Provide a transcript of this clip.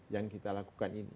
yang kita lakukan ini